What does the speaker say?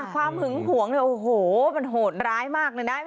ความหึงหวงโอ้โหมันโหดร้ายมากเลยน่ะ